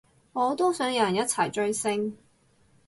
我都想有人一齊追星